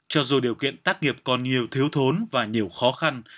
cho dù điều kiện tác nghiệp còn nhiều thiếu thốn và nhiều khó khăn